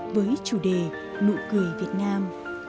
với chủ đề nụ cười việt nam